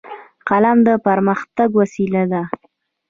قلم د پرمختګ وسیله ده